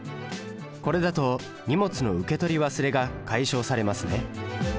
これだと荷物の受け取り忘れが解消されますね。